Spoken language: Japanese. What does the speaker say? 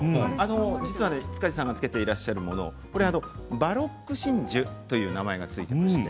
塚地さんがつけているのはバロック真珠という名前が付いています。